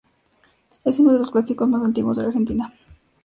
Es uno de los clásicos más antiguos de la Argentina.